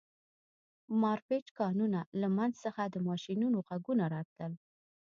د مارپیچ کانونو له منځ څخه د ماشینونو غږونه راتلل